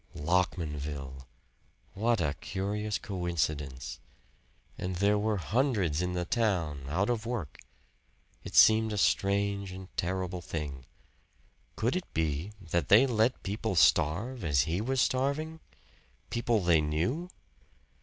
Lockmanville! What a curious coincidence! And there were hundreds in the town out of work. It seemed a strange and terrible thing. Could it be that they let people starve as he was starving people they knew?